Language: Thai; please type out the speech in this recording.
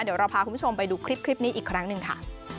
เดี๋ยวเราพาคุณผู้ชมไปดูคลิปนี้อีกครั้งหนึ่งค่ะ